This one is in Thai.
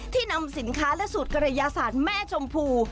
นำสินค้าและสูตรกระยาศาสตร์แม่ชมพู